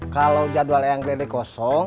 kalau jadwal yang gede kosong